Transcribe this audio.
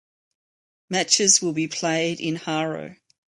Matches will be played in Haro.